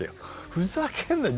ふざけんなよ